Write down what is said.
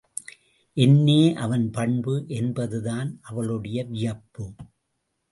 என்னே அவன் பண்பு! என்பதுதான் அவளுடைய வியப்பு.